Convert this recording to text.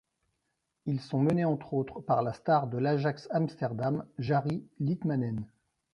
Ils sont menés entre autres par la star de l'Ajax Amsterdam Jari Litmanen.